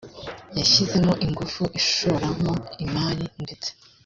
yashyizemo ingufu ishoramo imari ndetse